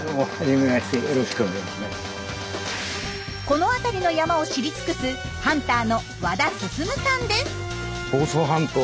この辺りの山を知りつくすハンターの和田さんです。